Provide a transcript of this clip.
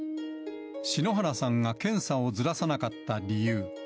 篠原さんが検査をずらさなかった理由。